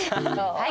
はい。